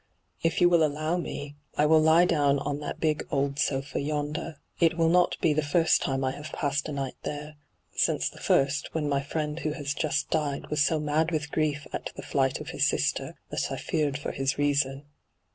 If you will allow me, I will lie down on that big old sofe yonder. It will not be the firat time I have passed a night there — since the first, when my friend who has just died was' so mad with grief at the flight of his sister that I feared for his reason.'